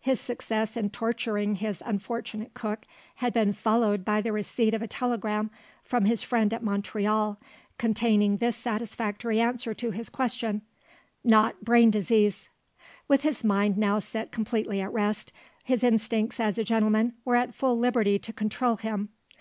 His success in torturing his unfortunate cook had been followed by the receipt of a telegram from his friend at Montreal, containing this satisfactory answer to his question: "Not brain disease." With his mind now set completely at rest, his instincts as a gentleman were at full liberty to control him.